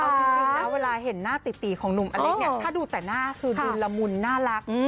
เอาจริงนะเวลาเห็นหน้าติของหนุ่มอเล็กเนี่ยถ้าดูแต่หน้าคือดูละมุนน่ารัก